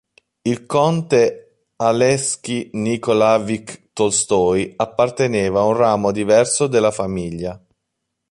Il conte Aleksej Nikolaevič Tolstoj apparteneva a un ramo diverso della famiglia.